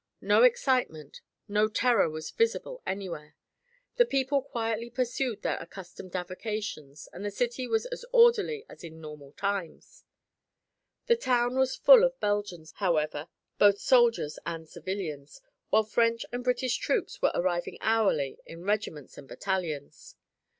No excitement, no terror was visible anywhere. The people quietly pursued their accustomed avocations and the city was as orderly as in normal times. The town was full of Belgians, however, both soldiers and civilians, while French and British troops were arriving hourly in regiments and battalions.